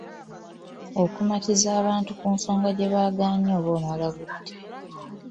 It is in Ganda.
Okumatiza abantu ku nsonga gye bagaanye oba omala budde.